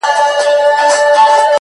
نوره سپوږمۍ راپسي مه ږغوه.!